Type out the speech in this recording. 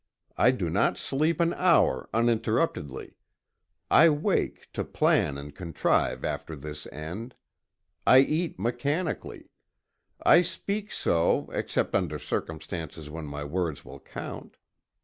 I do not sleep an hour, uninterruptedly. I wake, to plan and contrive after this end. I eat mechanically. I speak so, except under circumstances when my words will count.